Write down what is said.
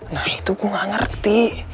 nah itu gua enggak ngerti